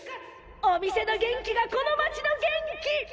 お店の元気がこの街の元気！